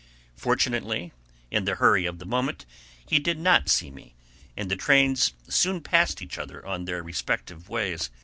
Fortunately, in the hurry of the moment, he did not see me; and the trains soon passed each other on their respective ways.